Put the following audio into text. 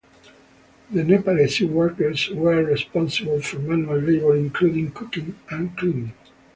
The Nepalese workers were responsible for manual labour, including cooking and cleaning.